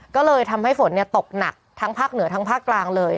ก็เลยทำให้ฝนตกหนักทั้งภาคเหนือทั้งภาคกลางเลย